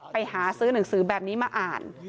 ไปหาซื้อหนังสือแบบนี้มาอ่าน